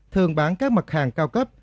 thường bán các mặt hàng cao cấp